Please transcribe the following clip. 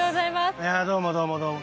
いやどうもどうもどうも。